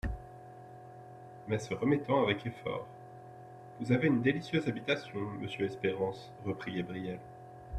Mais se remettant avec effort : Vous avez une délicieuse habitation, monsieur Espérance, reprit Gabrielle.